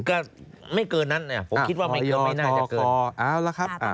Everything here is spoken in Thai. ก็ไม่เกินนั้นน่ะผมคิดว่าทำไม่น่าจะเกิน